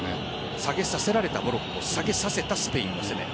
下げさせられたモロッコ下げさせたスペインの攻め。